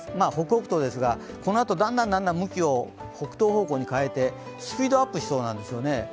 北北東ですがこのあとだんだん向きを北東方向に変えてスピードアップしそうなんですよね。